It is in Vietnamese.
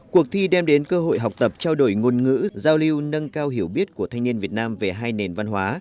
cuộc thi đem đến cơ hội học tập trao đổi ngôn ngữ giao lưu nâng cao hiểu biết của thanh niên việt nam về hai nền văn hóa